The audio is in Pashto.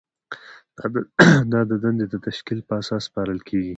دا دندې د تشکیل په اساس سپارل کیږي.